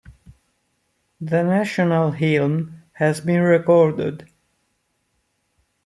The National Hymn has been recorded.